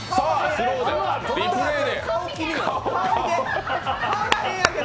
スロー、リプレーで。